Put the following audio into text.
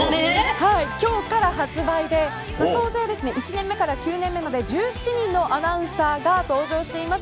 今日から発売で総勢、１年目から９年目まで１７人のアナウンサーが登場しています。